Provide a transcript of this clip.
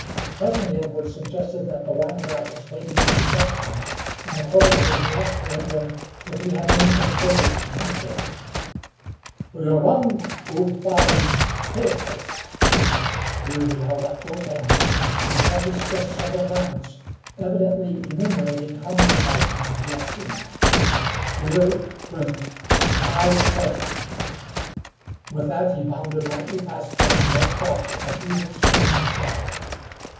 Presently Edwards suggested that the Wyandot was waiting to be questioned, and accordingly he asked the Indian if he had anything further to communicate. "Huron go by paleface." Here he held up both hands and shut his fists several times, evidently enumerating how many white men he had seen. "Here when high sun." With that he bounded lightly past them, and loped off with an even, swinging stride.